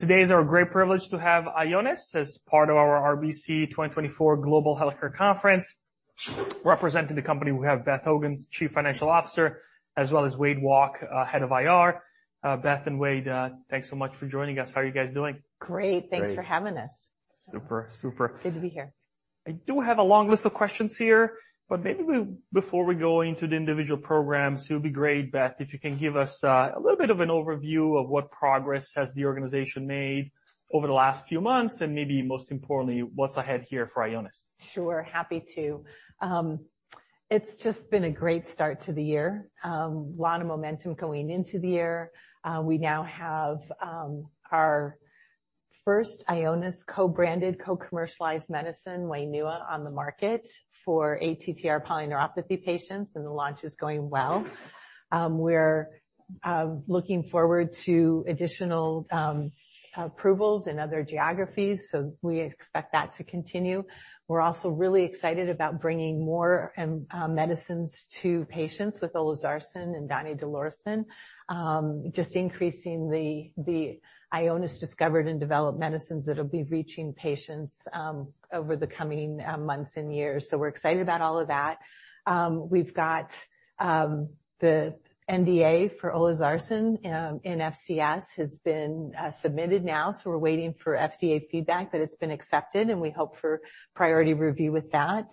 Today is our great privilege to have Ionis as part of our RBC 2024 Global Healthcare Conference. Representing the company, we have Beth Hougen, Chief Financial Officer, as well as Wade Walke, Head of IR. Beth and Wade, thanks so much for joining us. How are you guys doing? Great. Thanks for having us. Super, super. Good to be here. I do have a long list of questions here, but maybe before we go into the individual programs, it would be great, Beth, if you can give us a little bit of an overview of what progress has the organization made over the last few months and maybe most importantly, what's ahead here for Ionis. Sure. Happy to. It's just been a great start to the year. A lot of momentum going into the year. We now have our first Ionis co-branded, co-commercialized medicine, WAINUA, on the market for ATTR polyneuropathy patients, and the launch is going well. We're looking forward to additional approvals in other geographies, so we expect that to continue. We're also really excited about bringing more medicines to patients with olezarsen and donidalorsen, just increasing the Ionis discovered and developed medicines that'll be reaching patients over the coming months and years. So we're excited about all of that. We've got the NDA for olezarsen in FCS has been submitted now, so we're waiting for FDA feedback that it's been accepted, and we hope for priority review with that.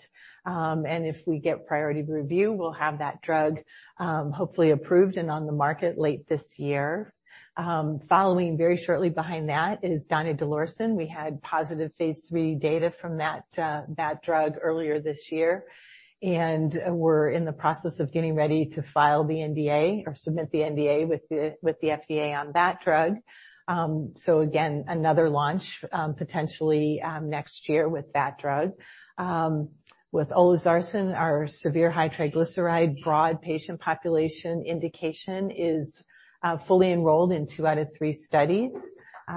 And if we get priority review, we'll have that drug hopefully approved and on the market late this year. Following very shortly behind that is donidalorsen. We had positive phase 3 data from that drug earlier this year, and we're in the process of getting ready to file the NDA or submit the NDA with the FDA on that drug. So again, another launch potentially next year with that drug. With olezarsen, our severe high triglyceride broad patient population indication is fully enrolled in two out of three studies,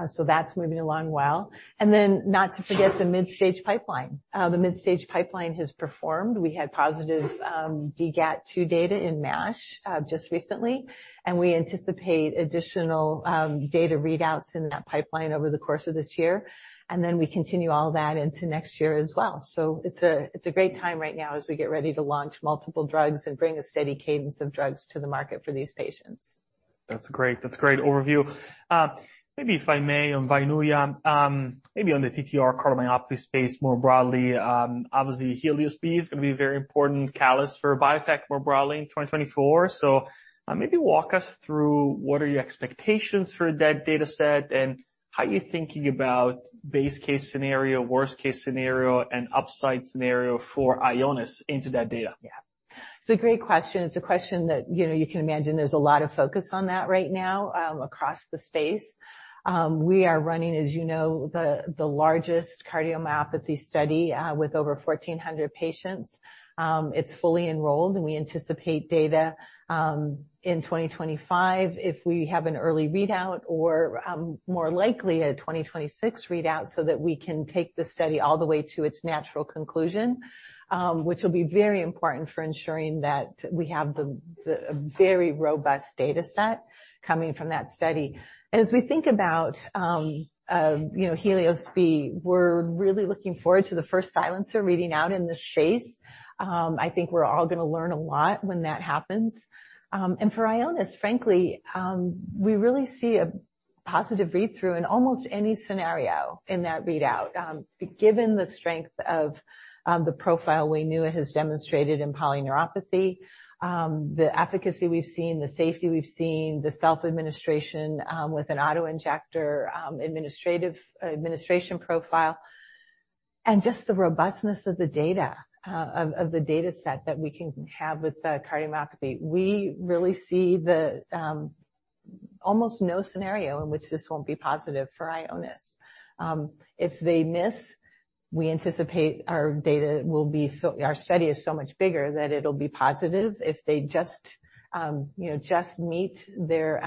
so that's moving along well. Not to forget the mid-stage pipeline. The mid-stage pipeline has performed. We had positive DGAT2 data in MASH just recently, and we anticipate additional data readouts in that pipeline over the course of this year. We continue all that into next year as well. It's a great time right now as we get ready to launch multiple drugs and bring a steady cadence of drugs to the market for these patients. That's a great overview. Maybe if I may, on WAINUA, maybe on the TTR cardiomyopathy space more broadly, obviously HELIOS-B is going to be a very important catalyst for biotech more broadly in 2024. So maybe walk us through what are your expectations for that dataset and how you're thinking about base case scenario, worst case scenario, and upside scenario for Ionis into that data. Yeah. It's a great question. It's a question that you can imagine there's a lot of focus on that right now across the space. We are running, as you know, the largest cardiomyopathy study with over 1,400 patients. It's fully enrolled, and we anticipate data in 2025 if we have an early readout or more likely a 2026 readout so that we can take the study all the way to its natural conclusion, which will be very important for ensuring that we have a very robust dataset coming from that study. As we think about HELIOS-B, we're really looking forward to the first silencer reading out in this space. I think we're all going to learn a lot when that happens. For Ionis, frankly, we really see a positive read-through in almost any scenario in that readout, given the strength of the profile WAINUA has demonstrated in polyneuropathy, the efficacy we've seen, the safety we've seen, the self-administration with an autoinjector administration profile, and just the robustness of the dataset that we can have with cardiomyopathy. We really see almost no scenario in which this won't be positive for Ionis. If they miss, we anticipate our data will be our study is so much bigger that it'll be positive. If they just meet their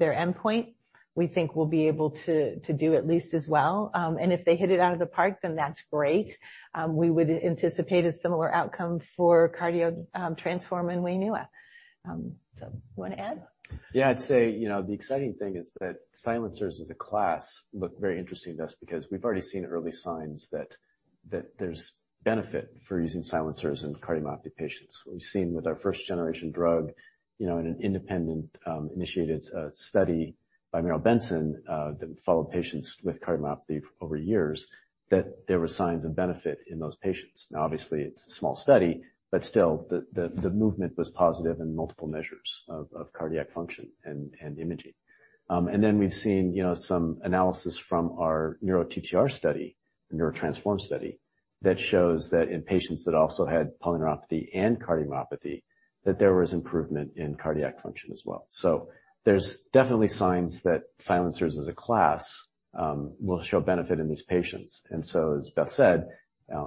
endpoint, we think we'll be able to do at least as well. And if they hit it out of the park, then that's great. We would anticipate a similar outcome for CARDIO-TTRansform and WAINUA. So you want to add? Yeah. I'd say the exciting thing is that silencers as a class look very interesting to us because we've already seen early signs that there's benefit for using silencers in cardiomyopathy patients. We've seen with our first-generation drug in an investigator-initiated study by Merrill Benson that followed patients with cardiomyopathy over years that there were signs of benefit in those patients. Now, obviously, it's a small study, but still, the movement was positive in multiple measures of cardiac function and imaging. And then we've seen some analysis from our NEURO-TTRansform study, the NEURO-TTRansform study, that shows that in patients that also had polyneuropathy and cardiomyopathy, that there was improvement in cardiac function as well. So there's definitely signs that silencers as a class will show benefit in these patients. And so, as Beth said,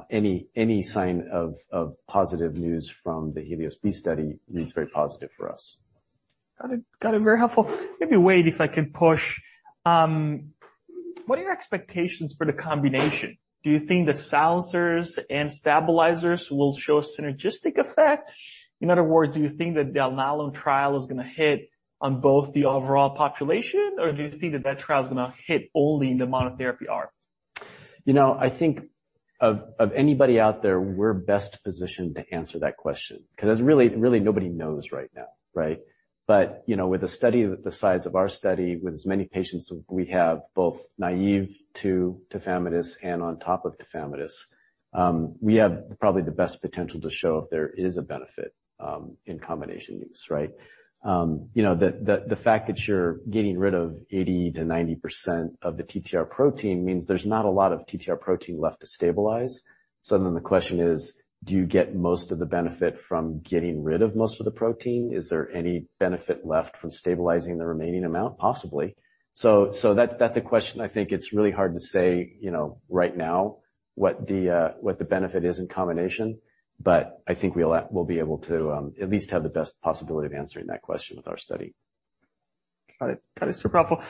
any sign of positive news from the HELIOS-B study reads very positive for us. Got it. Very helpful. Maybe Wade, if I can push, what are your expectations for the combination? Do you think the silencers and stabilizers will show a synergistic effect? In other words, do you think that the Alnylam trial is going to hit on both the overall population, or do you think that that trial is going to hit only in the monotherapy arm? I think of anybody out there, we're best positioned to answer that question because really nobody knows right now, right? But with a study the size of our study, with as many patients as we have, both naïve to tafamidis and on top of tafamidis, we have probably the best potential to show if there is a benefit in combination use, right? The fact that you're getting rid of 80%-90% of the TTR protein means there's not a lot of TTR protein left to stabilize. So then the question is, do you get most of the benefit from getting rid of most of the protein? Is there any benefit left from stabilizing the remaining amount? Possibly. So that's a question. I think it's really hard to say right now what the benefit is in combination, but I think we'll be able to at least have the best possibility of answering that question with our study. Got it. Super helpful.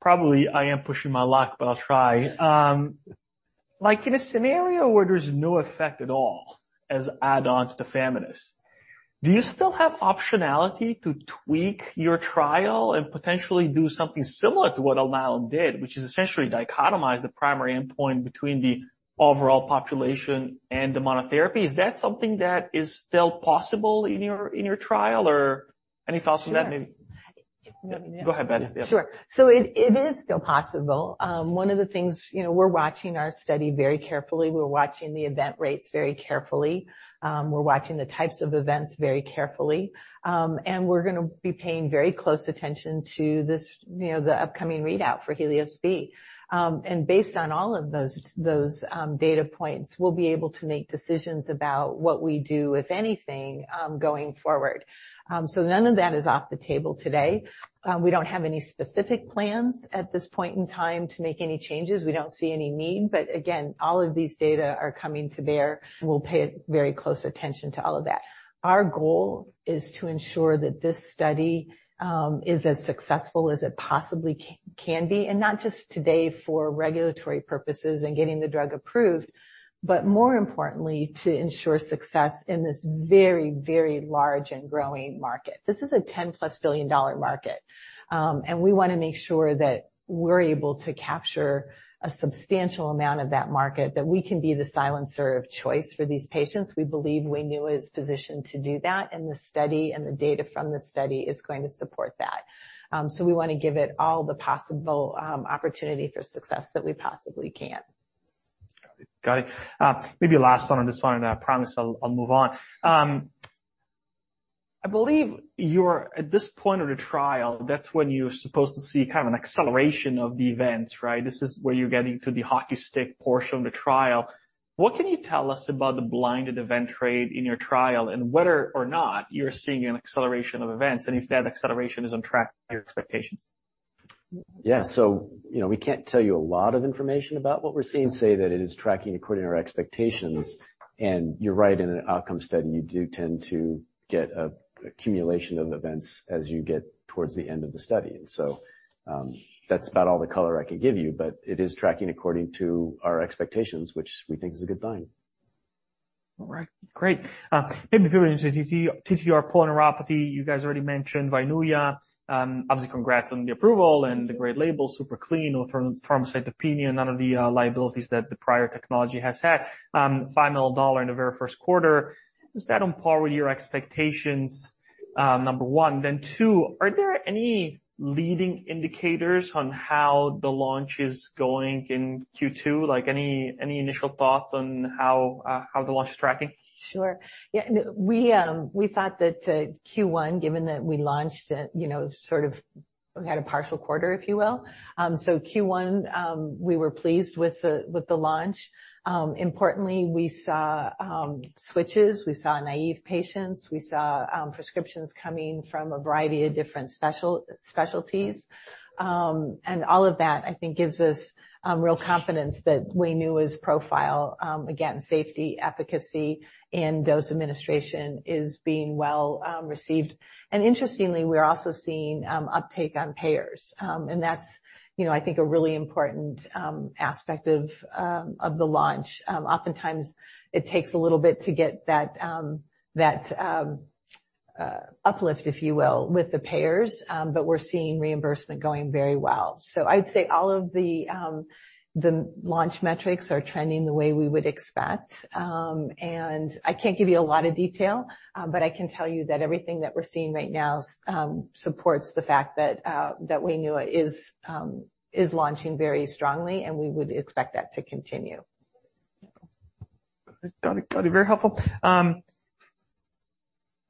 Probably I am pushing my luck, but I'll try. In a scenario where there's no effect at all as add-on to tafamidis, do you still have optionality to tweak your trial and potentially do something similar to what Alnylam did, which is essentially dichotomize the primary endpoint between the overall population and the monotherapy? Is that something that is still possible in your trial, or any thoughts on that maybe? Go ahead, Beth. Sure. So it is still possible. One of the things we're watching our study very carefully. We're watching the event rates very carefully. We're watching the types of events very carefully. And we're going to be paying very close attention to the upcoming readout for HELIOS-B. And based on all of those data points, we'll be able to make decisions about what we do, if anything, going forward. So none of that is off the table today. We don't have any specific plans at this point in time to make any changes. We don't see any need. But again, all of these data are coming to bear. We'll pay very close attention to all of that. Our goal is to ensure that this study is as successful as it possibly can be, and not just today for regulatory purposes and getting the drug approved, but more importantly, to ensure success in this very, very large and growing market. This is a $10+ billion market, and we want to make sure that we're able to capture a substantial amount of that market, that we can be the silencer of choice for these patients. We believe WAINUA is positioned to do that, and the study and the data from the study is going to support that. So we want to give it all the possible opportunity for success that we possibly can. Got it. Got it. Maybe last one on this one, and I promise I'll move on. I believe at this point of the trial, that's when you're supposed to see kind of an acceleration of the events, right? This is where you're getting to the hockey stick portion of the trial. What can you tell us about the blinded event rate in your trial, and whether or not you're seeing an acceleration of events and if that acceleration is on track with your expectations? Yeah. So we can't tell you a lot of information about what we're seeing. Say that it is tracking according to our expectations, and you're right, in an outcome study, you do tend to get an accumulation of events as you get towards the end of the study. And so that's about all the color I can give you, but it is tracking according to our expectations, which we think is a good thing. All right. Great. Maybe a few minutes into TTR polyneuropathy. You guys already mentioned WAINUA. Obviously, congrats on the approval and the great label, super clean, no thrombocytopenia, none of the liabilities that the prior technology has had. $5 million in the very first quarter. Is that on par with your expectations, number one? Then two, are there any leading indicators on how the launch is going in Q2? Any initial thoughts on how the launch is tracking? Sure. Yeah. We thought that Q1, given that we launched it, sort of had a partial quarter, if you will. So Q1, we were pleased with the launch. Importantly, we saw switches. We saw naïve patients. We saw prescriptions coming from a variety of different specialties. And all of that, I think, gives us real confidence that WAINUA's profile, again, safety, efficacy, and dose administration is being well received. And interestingly, we're also seeing uptake on payers, and that's, I think, a really important aspect of the launch. Oftentimes, it takes a little bit to get that uplift, if you will, with the payers, but we're seeing reimbursement going very well. So I'd say all of the launch metrics are trending the way we would expect. I can't give you a lot of detail, but I can tell you that everything that we're seeing right now supports the fact that WAINUA is launching very strongly, and we would expect that to continue. Got it. Got it. Very helpful.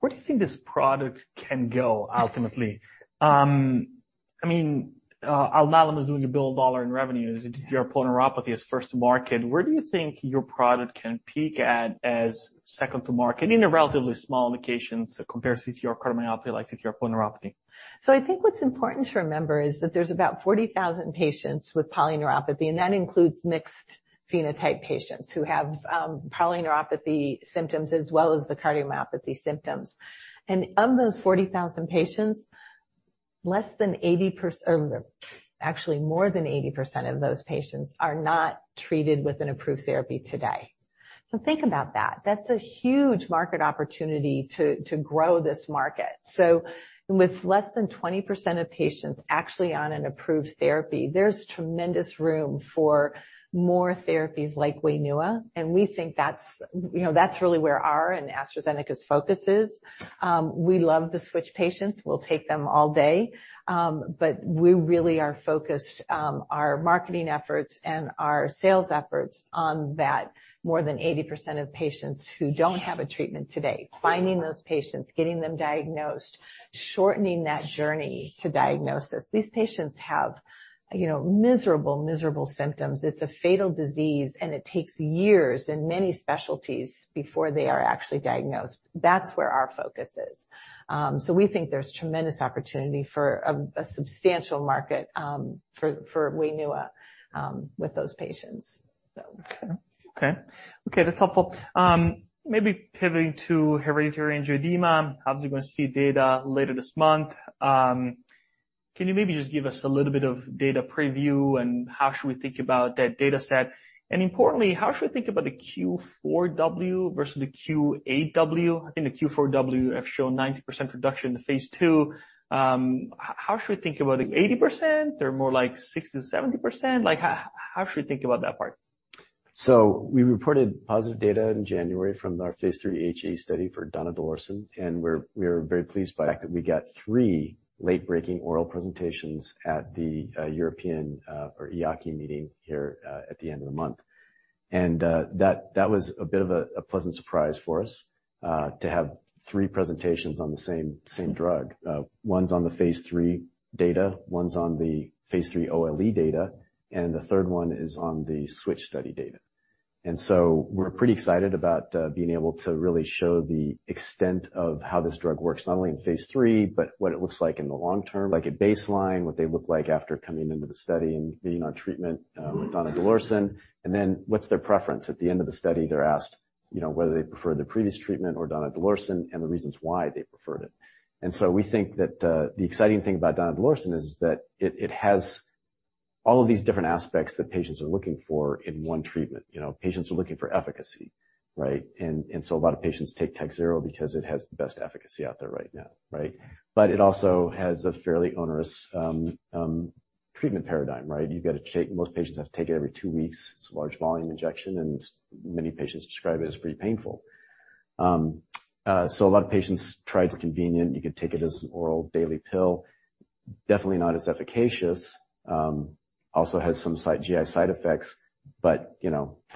Where do you think this product can go ultimately? I mean, Alnylam is doing $1 billion in revenues. TTR polyneuropathy is first to market. Where do you think your product can peak at as second to market in relatively small indications compared to TTR cardiomyopathy like TTR polyneuropathy? So I think what's important to remember is that there's about 40,000 patients with polyneuropathy, and that includes mixed phenotype patients who have polyneuropathy symptoms as well as the cardiomyopathy symptoms. And of those 40,000 patients, less than 80% or actually, more than 80% of those patients are not treated with an approved therapy today. So think about that. That's a huge market opportunity to grow this market. So with less than 20% of patients actually on an approved therapy, there's tremendous room for more therapies like WAINUA, and we think that's really where our and AstraZeneca's focus is. We love the switch patients. We'll take them all day, but we really are focused our marketing efforts and our sales efforts on that more than 80% of patients who don't have a treatment today, finding those patients, getting them diagnosed, shortening that journey to diagnosis. These patients have miserable, miserable symptoms. It's a fatal disease, and it takes years in many specialties before they are actually diagnosed. That's where our focus is. So we think there's tremendous opportunity for a substantial market for WAINUA with those patients, so. Okay. Okay. That's helpful. Maybe pivoting to hereditary angioedema, obviously, going to see data later this month. Can you maybe just give us a little bit of data preview and how should we think about that dataset? And importantly, how should we think about the Q4W versus the Q8W? I think the Q4W have shown 90% reduction in phase 2. How should we think about 80% or more like 60%-70%? How should we think about that part? So we reported positive data in January from our phase 3 HAE study for donidalorsen, and we were very pleased by the fact that we got 3 late-breaking oral presentations at the EAACI meeting here at the end of the month. And that was a bit of a pleasant surprise for us to have 3 presentations on the same drug, ones on the phase 3 data, ones on the phase 3 OLE data, and the third one is on the switch study data. And so we're pretty excited about being able to really show the extent of how this drug works, not only in phase 3, but what it looks like in the long term, like at baseline, what they look like after coming into the study and being on treatment with donidalorsen. And then what's their preference? At the end of the study, they're asked whether they prefer the previous treatment or donidalorsen and the reasons why they preferred it. And so we think that the exciting thing about donidalorsen is that it has all of these different aspects that patients are looking for in one treatment. Patients are looking for efficacy, right? And so a lot of patients take Takhzyro because it has the best efficacy out there right now, right? But it also has a fairly onerous treatment paradigm, right? You've got to take—most patients have to take it every two weeks. It's a large volume injection, and many patients describe it as pretty painful. So a lot of patients tried. Convenient. You could take it as an oral daily pill. Definitely not as efficacious. Also has some GI side effects, but they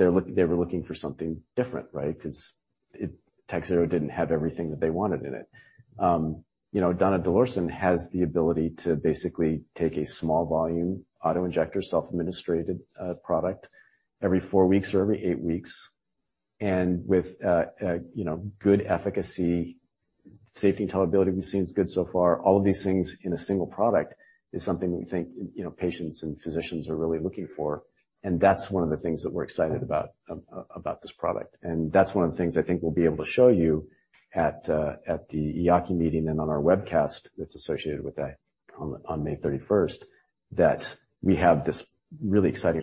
were looking for something different, right, because Takhzyro didn't have everything that they wanted in it. Donidalorsen has the ability to basically take a small volume autoinjector, self-administered product every four weeks or every eight weeks. And with good efficacy, safety and tolerability, we've seen is good so far. All of these things in a single product is something that we think patients and physicians are really looking for. And that's one of the things that we're excited about this product. And that's one of the things I think we'll be able to show you at the EAACI meeting and on our webcast that's associated with that on May 31st, that we have this really exciting.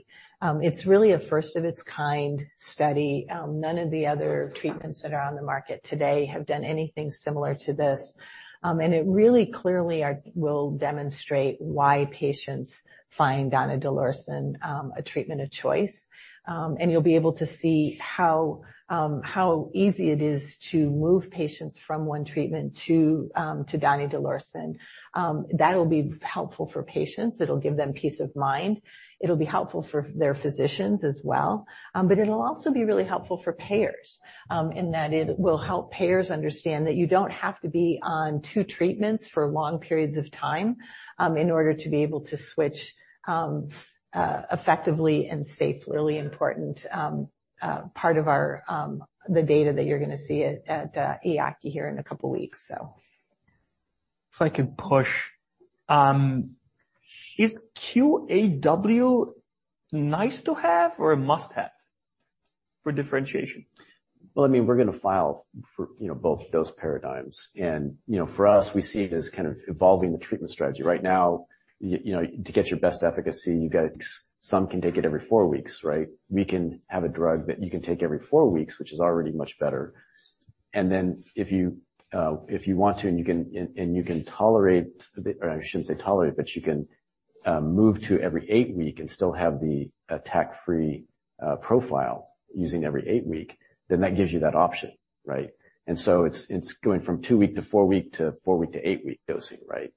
It's really a first of its kind study. None of the other treatments that are on the market today have done anything similar to this. It really clearly will demonstrate why patients find donidalorsen a treatment of choice. You'll be able to see how easy it is to move patients from one treatment to donidalorsen. That'll be helpful for patients. It'll give them peace of mind. It'll be helpful for their physicians as well. But it'll also be really helpful for payers in that it will help payers understand that you don't have to be on two treatments for long periods of time in order to be able to switch effectively and safely. Really important part of the data that you're going to see at EAACI here in a couple of weeks, so. If I could push, is Q8W nice to have or a must-have for differentiation? Well, I mean, we're going to file for both those paradigms. And for us, we see it as kind of evolving the treatment strategy. Right now, to get your best efficacy, you've got to. Some can take it every 4 weeks, right? We can have a drug that you can take every 4 weeks, which is already much better. And then if you want to and you can tolerate or I shouldn't say tolerate, but you can move to every 8 week and still have the attack-free profile using every 8 week, then that gives you that option, right? And so it's going from 2-week to 4-week to 4-week to 8-week dosing, right?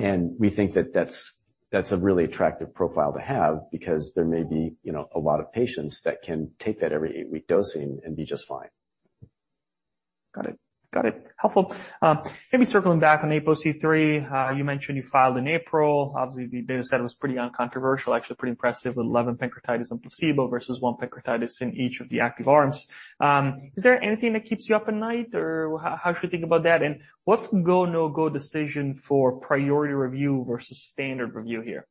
And we think that that's a really attractive profile to have because there may be a lot of patients that can take that every 8-week dosing and be just fine. Got it. Got it. Helpful. Maybe circling back on APOC3, you mentioned you filed in April. Obviously, the dataset was pretty uncontroversial, actually pretty impressive with 11 pancreatitis and placebo versus one pancreatitis in each of the active arms. Is there anything that keeps you up at night, or how should we think about that? And what's go-no-go decision for priority review versus standard review here?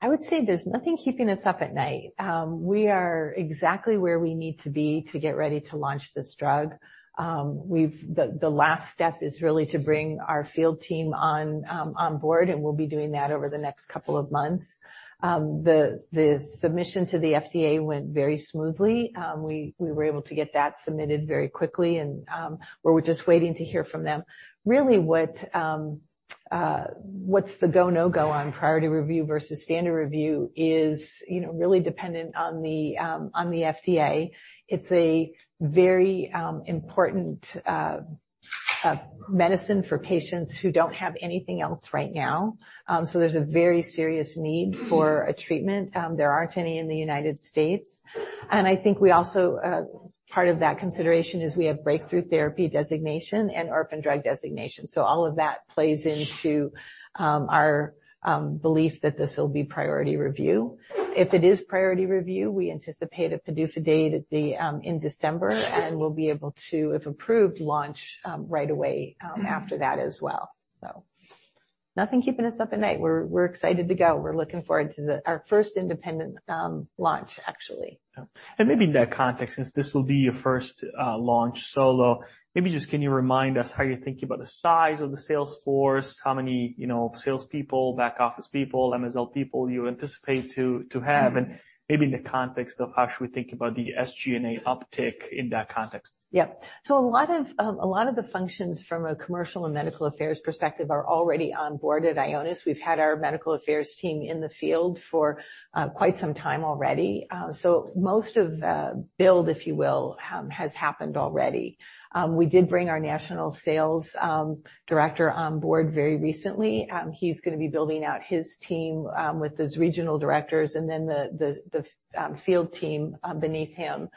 I would say there's nothing keeping us up at night. We are exactly where we need to be to get ready to launch this drug. The last step is really to bring our field team on board, and we'll be doing that over the next couple of months. The submission to the FDA went very smoothly. We were able to get that submitted very quickly, and we're just waiting to hear from them. Really, what's the go-no-go on priority review versus standard review is really dependent on the FDA. It's a very important medicine for patients who don't have anything else right now. So there's a very serious need for a treatment. There aren't any in the United States. I think we also part of that consideration is we have breakthrough therapy designation and orphan drug designation. So all of that plays into our belief that this will be priority review. If it is priority review, we anticipate a PDUFA date in December, and we'll be able to, if approved, launch right away after that as well. So nothing keeping us up at night. We're excited to go. We're looking forward to our first independent launch, actually. Maybe in that context, since this will be your first launch solo, maybe just can you remind us how you're thinking about the size of the salesforce, how many salespeople, back-office people, MSL people you anticipate to have? Maybe in the context of how should we think about the SG&A uptick in that context? Yep. So a lot of the functions from a commercial and medical affairs perspective are already on board at Ionis. We've had our medical affairs team in the field for quite some time already. So most of the build, if you will, has happened already. We did bring our national sales director on board very recently. He's going to be building out his team with his regional directors and then the field team beneath him.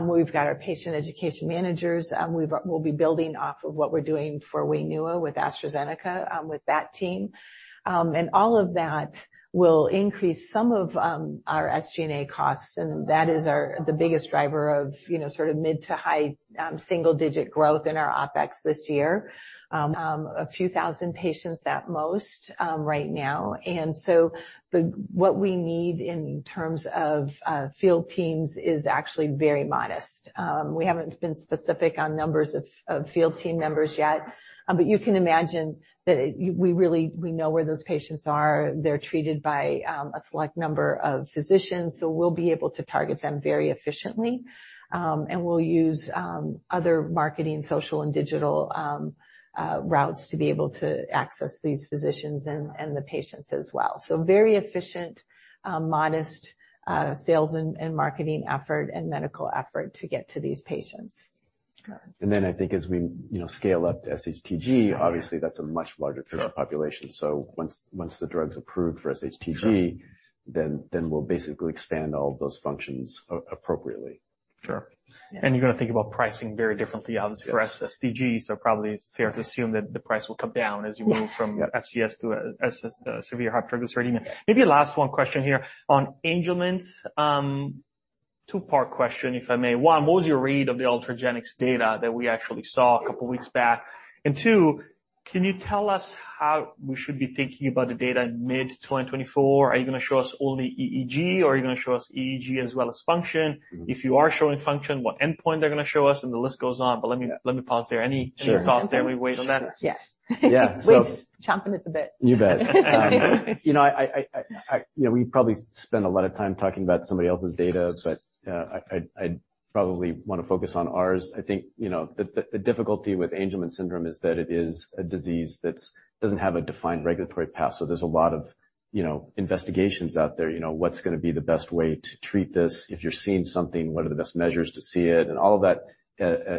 We've got our patient education managers. We'll be building off of what we're doing for WAINUA with AstraZeneca with that team. And all of that will increase some of our SG&A costs, and that is the biggest driver of sort of mid- to high single-digit growth in our OpEx this year. A few thousand patients at most right now. And so what we need in terms of field teams is actually very modest. We haven't been specific on numbers of field team members yet, but you can imagine that we know where those patients are. They're treated by a select number of physicians, so we'll be able to target them very efficiently. And we'll use other marketing, social, and digital routes to be able to access these physicians and the patients as well. So very efficient, modest sales and marketing effort and medical effort to get to these patients. And then I think as we scale up to SHTG, obviously, that's a much larger population. So once the drug's approved for SHTG, then we'll basically expand all of those functions appropriately. Sure. And you're going to think about pricing very differently, obviously, for SHTG, so probably it's fair to assume that the price will come down as you move from FCS to severe hypertriglyceridemia. Maybe a last one question here on Angelman. Two-part question, if I may. One, what was your read of the Ultragenyx data that we actually saw a couple of weeks back? And two, can you tell us how we should be thinking about the data in mid-2024? Are you going to show us only EEG, or are you going to show us EEG as well as function? If you are showing function, what endpoint are you going to show us? And the list goes on, but let me pause there. Any thoughts there? Let me wait on that. Sure. Yeah. Yeah. So chomping at the bit. You bet. We probably spend a lot of time talking about somebody else's data, but I'd probably want to focus on ours. I think the difficulty with Angelman Syndrome is that it is a disease that doesn't have a defined regulatory path. So there's a lot of investigations out there. What's going to be the best way to treat this? If you're seeing something, what are the best measures to see it? And all of that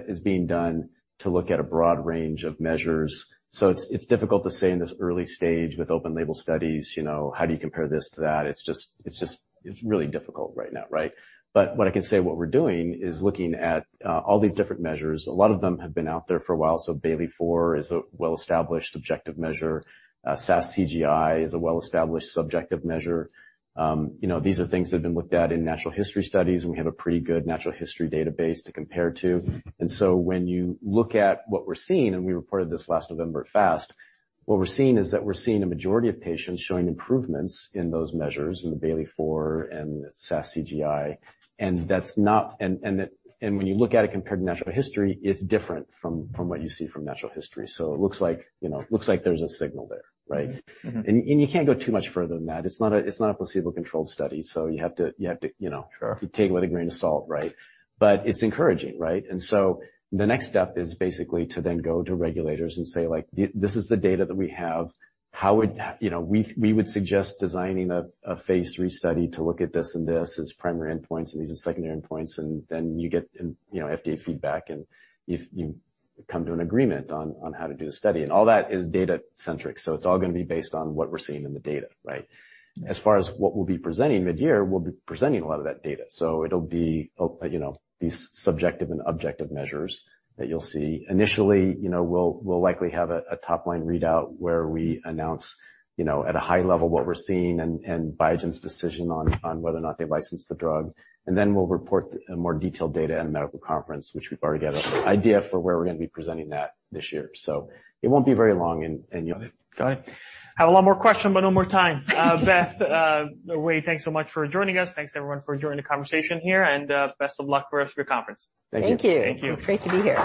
is being done to look at a broad range of measures. So it's difficult to say in this early stage with open-label studies, how do you compare this to that? It's really difficult right now, right? But what I can say, what we're doing is looking at all these different measures. A lot of them have been out there for a while. So Bayley-4 is a well-established objective measure. AS-CGI is a well-established subjective measure. These are things that have been looked at in natural history studies, and we have a pretty good natural history database to compare to. And so when you look at what we're seeing, and we reported this last November at FAST, what we're seeing is that we're seeing a majority of patients showing improvements in those measures in the Bayley-4 and the AS-CGI. And when you look at it compared to natural history, it's different from what you see from natural history. So it looks like there's a signal there, right? And you can't go too much further than that. It's not a placebo-controlled study, so you have to take it with a grain of salt, right? But it's encouraging, right? And so the next step is basically to then go to regulators and say, "This is the data that we have. How would we suggest designing a phase 3 study to look at this and this as primary endpoints and these as secondary endpoints?" And then you get FDA feedback, and you come to an agreement on how to do the study. And all that is data-centric, so it's all going to be based on what we're seeing in the data, right? As far as what we'll be presenting mid-year, we'll be presenting a lot of that data. So it'll be these subjective and objective measures that you'll see. Initially, we'll likely have a topline readout where we announce at a high level what we're seeing and Biogen's decision on whether or not they license the drug. And then we'll report more detailed data at a medical conference, which we've already got an idea for where we're going to be presenting that this year. So it won't be very long, and. Got it. Got it. I have a lot more questions, but no more time. Beth, Wade, thanks so much for joining us. Thanks, everyone, for joining the conversation here. Best of luck for the rest of your conference. Thank you. Thank you. It was great to be here.